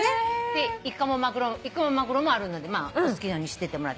でイカもマグロもあるのでお好きなようにしててもらって。